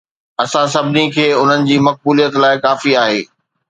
اسان سڀني کي انهن جي مقبوليت لاء ڪافي آهي